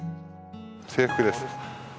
制服です。